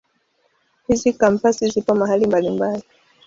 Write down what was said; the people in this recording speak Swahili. Hizi Kampasi zipo mahali mbalimbali.